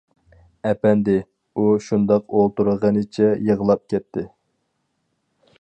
ئەپەندى، ئۇ شۇنداق ئولتۇرغىنىچە يىغلاپ كەتتى!